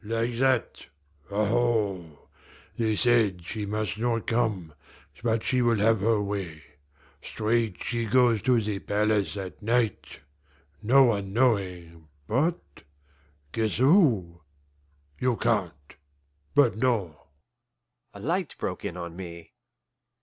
"Like that aho! They said she must not come, but she will have her way. Straight she goes to the palace at night, no one knowing but guess who? You can't but no!" A light broke in on me.